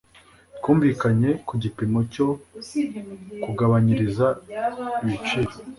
Twumvikanye ku gipimo cyo kugabanyirizwa ibiciro.